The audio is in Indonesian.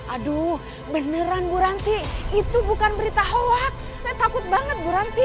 aduh beneran buranti itu bukan berita hoax saya takut banget buranti